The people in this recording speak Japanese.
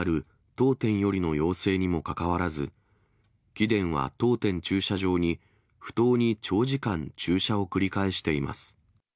当店よりの要請にもかかわらず、貴殿は当店駐車場に不当に長時間、駐車を繰り返しています。